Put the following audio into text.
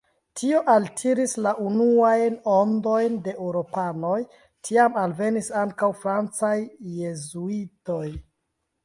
Tio altiris la unuajn ondojn de eŭropanoj, tiam alvenis ankaŭ francaj jezuitoj.